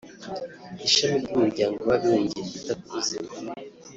Ishami ry’Umuryango w’Abibumbye ryita ku buzima